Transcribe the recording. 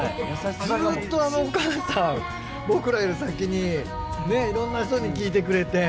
ずっとあのお母さん僕らより先にねいろんな人に聞いてくれて。